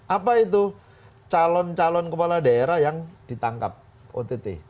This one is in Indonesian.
apa itu calon calon kepala daerah yang ditangkap ott